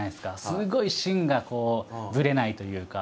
すごい芯がこうぶれないというか。